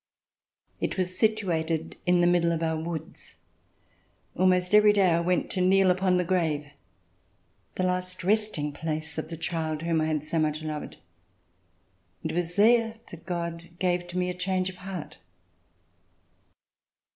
It was situated in the middle of our woods. Almost every day I went to kneel upon the grave, the last resting RECOLLECTIONS OF THE REVOLUTION place of the child whom I had so much loved, and it was there that God gave to me a change of heart.